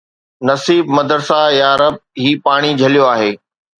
نصيب مدرسه يا رب، هي پاڻي جهليو آهي